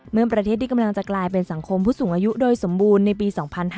เมื่อประเทศที่กำลังจะกลายเป็นสังคมผู้สูงอายุโดยสมบูรณ์ในปี๒๕๕๙